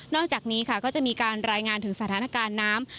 อกจากนี้ค่ะก็จะมีการรายงานถึงสถานการณ์น้ำ